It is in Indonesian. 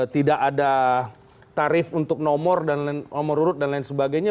tidak ada tarif untuk nomor dan nomor urut dan lain sebagainya